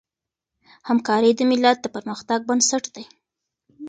همکاري د ملت د پرمختګ بنسټ دی.